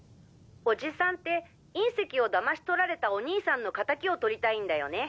おじさんって隕石を騙し取られたお兄さんの仇を取りたいんだよね。